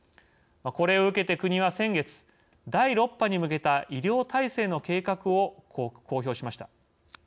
これを受けて、国は先月第６波に向けた医療体制の計画を公表しました。